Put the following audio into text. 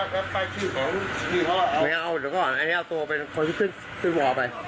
เกียร์ไม่เอาเดี๋ยวก่อนอันนี้เอาตัวเป็นคนที่ขึ้นขึ้นออกไป